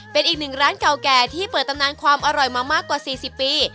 เป็นอีกหนึ่งร้านเก่าแก่ที่เปิดตำนานความอร่อยมามากกว่า๔๐ปี